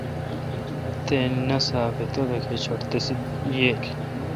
تے ناساپ اے°توبک اے چھٹ تسے°ییل۔